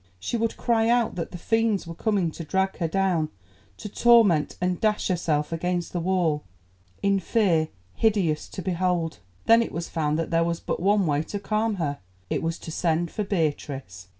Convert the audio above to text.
She would cry out that the fiends were coming to drag her down to torment, and dash herself against the wall, in fear hideous to behold. Then it was found that there was but one way to calm her: it was to send for Beatrice.